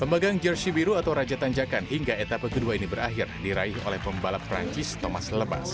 pembagang jersi biru atau raja tanjakan hingga etapa kedua ini berakhir diraih oleh pembalap perancis thomas lebas